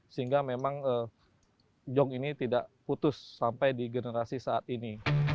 sehingga memang jog ini tidak putus sampai di generasi saat ini